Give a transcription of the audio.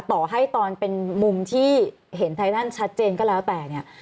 ต่อให้ตอนเป็นมุมที่เห็นไททันชัดเจนก็แล้วแต่เนี่ย